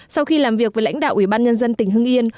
sau khi làm việc với lãnh đạo ủy ban nhân dân tỉnh hưng yên